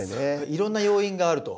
いろんな要因があると。